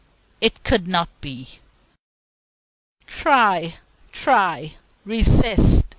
It could not be. "Try! Try! Resist!